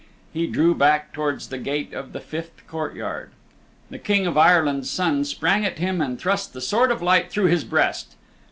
He drew back towards the gate of the fifth courtyard. The King of Ireland's Son sprang at him and thrust the Sword of Light through his breast.